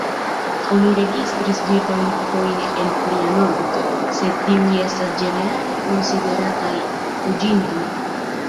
Oni registris birdojn foje el plia nordo, sed tiuj estas ĝenerale konsiderataj fuĝintoj.